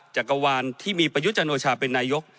จากกระวานที่มีประยุทธ์จังโนชาเป็นนายก